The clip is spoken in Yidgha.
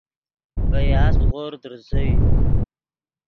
ڤے یاسپ غورد ریسئے